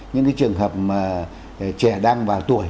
những cái trường hợp trẻ đang vào tuổi